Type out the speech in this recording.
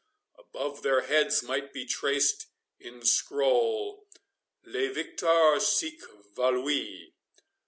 Above their heads might be traced in scroll, "Lee Victor sic voluit."